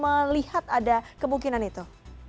melihat ada kemungkinan itu